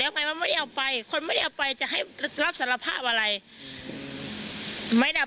ไงว่าไม่ได้เอาไปคนไม่ได้เอาไปจะให้รับสารภาพอะไรไม่ได้